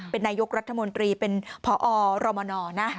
เป็นนายกรัฐมนตรีเป็นพอรมนนะ